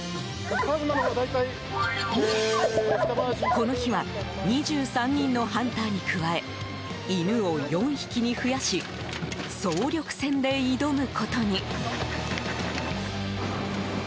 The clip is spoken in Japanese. この日は２３人のハンターに加え犬を４匹に増やし総力戦で挑むことに。